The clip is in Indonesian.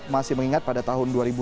masih mengingat pada tahun dua ribu tiga